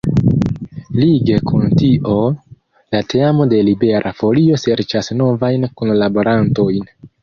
Lige kun tio, la teamo de Libera Folio serĉas novajn kunlaborantojn.